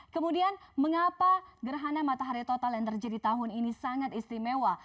kemudian mengapa gerhana matahari total yang terjadi tahun ini sangat istimewa